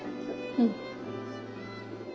うん。